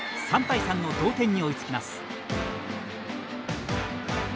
３対３の同点に追いつきます。